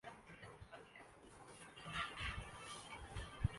سر عام جب ہوئے مدعی تو ثواب صدق و صفا گیا